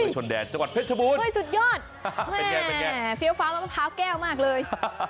จังหวัดเพชรชะบูนเป็นยันแฟ้วฟ้ามากเลย